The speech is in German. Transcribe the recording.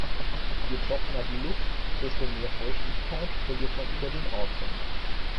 Je trockener die Luft, desto mehr Feuchtigkeit verliert man über den Atem.